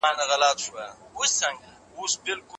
ګډونوالو وویل، اولو له شنه او آبي توپیر لري.